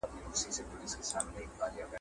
پر دا خپله خرابه مېنه مین یو!